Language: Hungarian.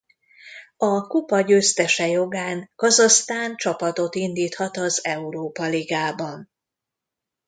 A kupa győztese jogán Kazahsztán csapatot indíthat az Európa ligában.